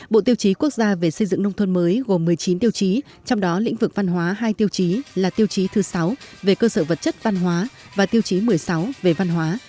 bộ tiêu chí quốc gia về xây dựng nông thôn mới gồm một mươi chín tiêu chí trong đó lĩnh vực văn hóa hai tiêu chí là tiêu chí thứ sáu về cơ sở vật chất văn hóa và tiêu chí một mươi sáu về văn hóa